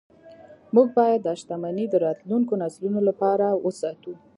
موږ باید دا شتمني د راتلونکو نسلونو لپاره وساتو